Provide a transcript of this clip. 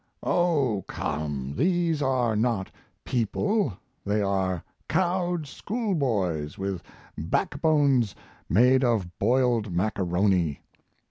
Oh, come, these are not "people" they are cowed school boys with backbones made of boiled macaroni.